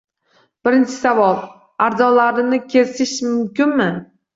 Birinchi savol: Arzonlarini kesish mumkinmi?